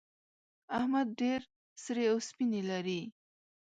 احمد ډېر سرې او سپينې لري.